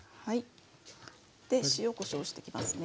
で塩・こしょうしてきますね。